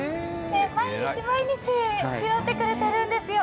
毎日毎日、拾ってくれてるんですよ。